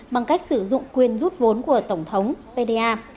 bằng cách sử dụng quyền rút vốn của tổng thống pda